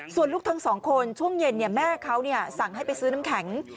ส่วนลูกทั้งสองคนช่วงเย็นแม่เขาสั่งให้ไปซื้อน้ำแข็ง